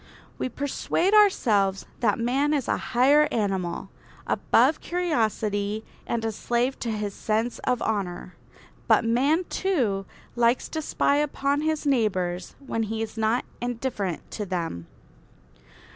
We persuade ourselves that man is a higher animal, above curiosity and a slave to his sense of honour. But man, too, likes to spy upon his neighbours when he is not indifferent to them.